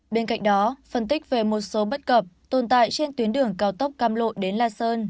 bên cạnh đó phân tích về một số bất cập tồn tại trên tuyến đường cao tốc cam lộ đến la sơn